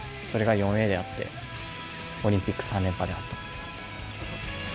それが夢であって、オリンピック３連覇です。